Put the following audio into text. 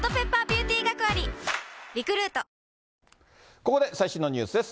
ここで最新のニュースです。